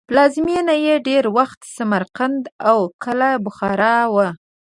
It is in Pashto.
پلازمینه یې ډېر وخت سمرقند او کله بخارا وه.